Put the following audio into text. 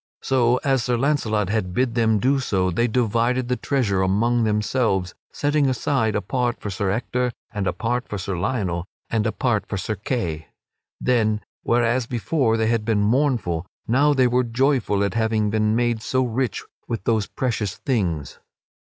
So, as Sir Launcelot had bid them do so, they divided the treasure among themselves, setting aside a part for Sir Ector and a part for Sir Lionel and a part for Sir Kay. Then, whereas before they had been mournful, now they were joyful at having been made so rich with those precious things.